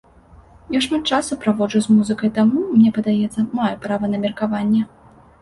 Я шмат часу праводжу з музыкай, таму, мне падаецца, маю права на меркаванне.